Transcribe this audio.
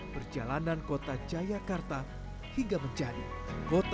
perjalanan kota jayakarta hingga menjadi kota metropolitik